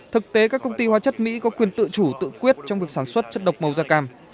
thực tế các công ty hóa chất mỹ có quyền tự chủ tự quyết trong việc sản xuất chất độc màu da cam